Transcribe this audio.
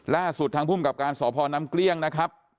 ล่าสุดทางภูมิกับการสพน้ำเกลี้ยงนะครับ